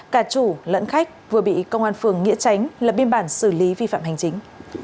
cả chủ lẫn khách vừa bị công an phường nghĩa tránh lập biên bản xử lý vi phạm hành chính